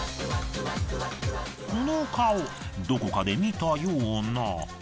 この顔どこかで見たような。